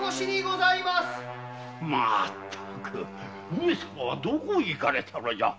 上様はどこへ行かれたのじゃ！？